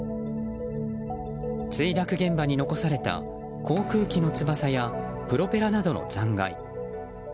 墜落現場に残された航空機の翼やプロペラなどの残骸。